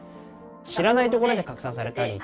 知らないところで拡散されたりとか。